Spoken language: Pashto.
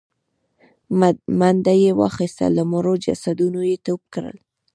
منډه يې واخيسته، له مړو جسدونو يې ټوپ کړل.